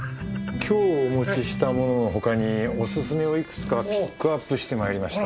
今日お持ちしたものの他にオススメをいくつかピックアップしてまいりました。